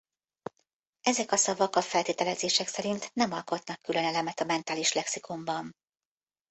Ezek a szavak a feltételezések szerint nem alkotnak külön elemet a mentális lexikonban.